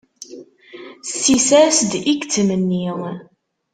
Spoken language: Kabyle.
Ssis-as-d i yettmenni.